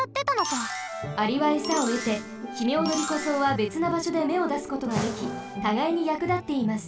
アリはエサをえてヒメオドリコソウはべつなばしょでめをだすことができたがいにやくだっています。